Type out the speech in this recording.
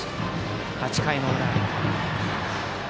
８回の裏。